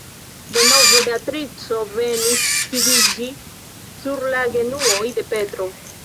Denove Beatrico venis sidiĝi sur la genuojn de Petro.